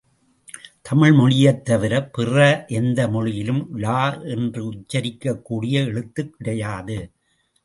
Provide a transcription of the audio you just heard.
தமிழ் மொழியைத் தவிர, பிற எந்த மொழியிலும் ழ என்று உச்சரிக்கக்கூடிய எழுத்து கிடையாது.